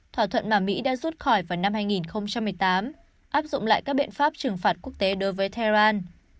thỏa thuận mà mỹ đã rút khỏi vào năm hai nghìn một mươi tám áp dụng lại các biện pháp trừng phạt quốc tế đối với tehran